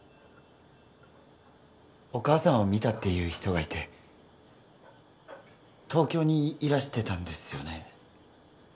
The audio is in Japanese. お母さんを見たっていう人がいて東京にいらしてたんですよね？